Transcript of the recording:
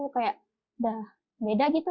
kayak sudah beda gitu